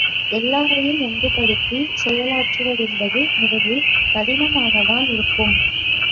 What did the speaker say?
எல்லாரையும் ஒன்றுபடுத்திச் செயலாற்றுவதென்பது முதலில் கடினமாகத்தான் இருக்கும்.